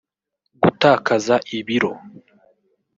gutakaza ibiro